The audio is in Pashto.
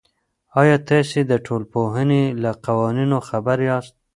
آیا تاسې د ټولنپوهنې له قوانینو خبر یاست؟